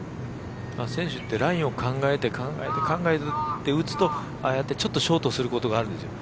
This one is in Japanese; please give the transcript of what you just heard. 選手ってラインを考えて、考えて、考えて打つとああやってちょっとショートすることがあるんですよ。